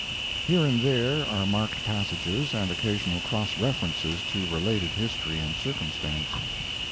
Here and there are marked passages and occasional cross references to related history and circumstance.